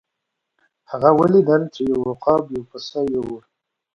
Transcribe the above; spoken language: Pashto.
هغه ولیدل چې یو عقاب یو پسه یووړ.